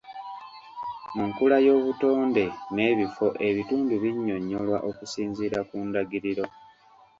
Mu nkula y'obutonde n'ebifo ebitundu binnyonyolwa kusinziira ku ndagiriro.